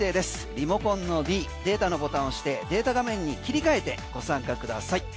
リモコンのｄデータのボタンを押してデータ画面に切り替えてご参加ください。